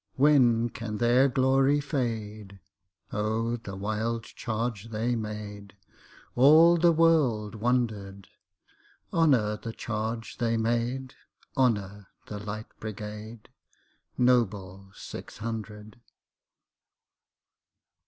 When can their glory fade?O the wild charge they made! All the world wonder'd. Honor the charge they made! Honor the Light Brigade, Noble six hundred!